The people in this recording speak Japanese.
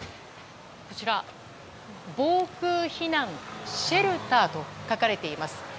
こちら、防空避難シェルターと書かれています。